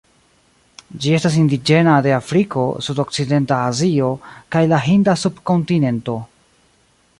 Ĝi estas indiĝena de Afriko, Sudokcidenta Azio, kaj la Hinda subkontinento.